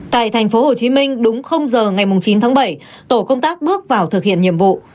tại thành phố hồ chí minh đúng giờ ngày mùng chín tháng bảy tổ công tác bước vào thực hiện nhiệm vụ